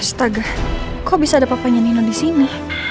astaga kok bisa ada papa nyenenu disini